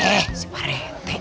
eh si pak retek